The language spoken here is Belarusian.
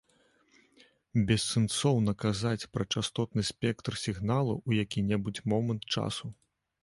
Бессэнсоўна казаць пра частотны спектр сігналу ў які-небудзь момант часу.